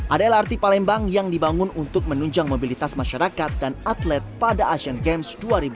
ada lrt palembang yang dibangun untuk menunjang mobilitas masyarakat dan atlet pada asian games dua ribu delapan belas